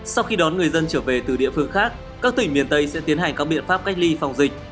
sau khi đón người dân trở về từ địa phương khác các tỉnh miền tây sẽ tiến hành các biện pháp cách ly phòng dịch